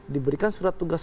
diberikan surat tugas